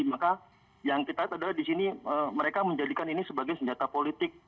maka yang kita lihat adalah di sini mereka menjadikan ini sebagai senjata politik